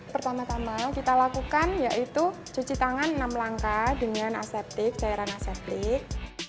pertama tama kita lakukan yaitu cuci tangan enam langkah dengan aseptik cairan aseptik